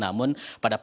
dan yang kedua adalah